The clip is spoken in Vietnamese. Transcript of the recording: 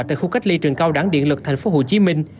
tại khu cách ly trường cao đẳng điện lực tp hcm